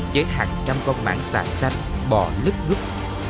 với hàng trăm con mạng xà xanh bò lứt ngứt